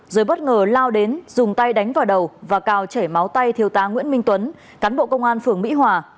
rồi bất ngờ lao đến dùng tay đánh vào đầu và cào chảy máu tay thiếu tá nguyễn minh tuấn cán bộ công an phường mỹ hòa